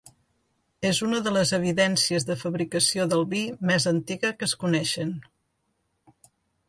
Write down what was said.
És una de les evidències de fabricació del vi més antiga que es coneixen.